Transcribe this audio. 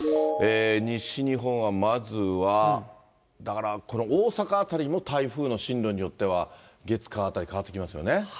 西日本はまずは、だからこれ、大阪辺りも台風の進路によっては月、火あたり変わってきますよね。